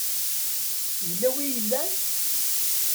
Yella wi i yellan?.